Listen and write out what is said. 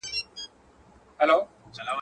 د کتاب لوستل تر بې ځايه بحثونو ګټور دي.